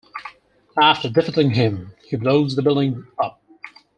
After defeating him, he blows the building up.